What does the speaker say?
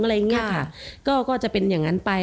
เฒ่งอ้อน์จะจะเป็นอย่างนั้นไป